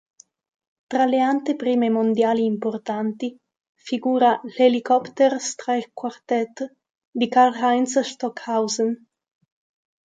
Tra le anteprime mondiali importanti figura l"'Helikopter-Streichquartett" di Karlheinz Stockhausen.